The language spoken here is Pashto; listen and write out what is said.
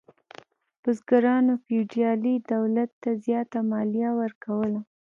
بزګرانو فیوډالي دولت ته زیاته مالیه ورکوله.